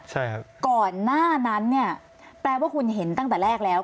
ใช่ครับก่อนหน้านั้นเนี่ยแปลว่าคุณเห็นตั้งแต่แรกแล้ว